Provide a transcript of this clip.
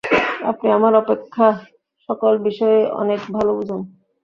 আপনি আমার অপেক্ষা সকল বিষয়েই অনেক ভাল বুঝেন।